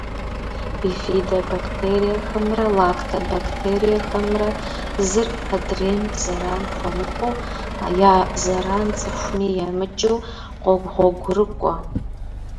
Бифидобактериехэмрэ лактобактериехэмрэ зыр адрейм зэран хуэмыхъуу, я зэран цӏыхуми емыкӏыу къогъуэгурыкӏуэ.